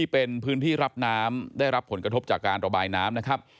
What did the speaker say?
เป็นพื้นที่รับน้ำได้รับผลกระทบจากการระบายน้ำนะครับ